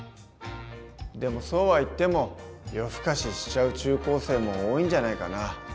でもそうはいっても夜更かししちゃう中高生も多いんじゃないかな？